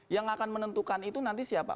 yang akan menentukan itu nanti siapa